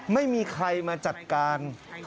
ไม่มีใครมาจัดการ